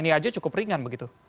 ini saja cukup ringan